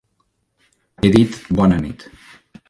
He dit bona nit.